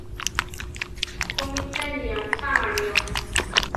¿Kúmi cheni acháma lío?